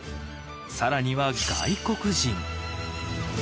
更には外国人。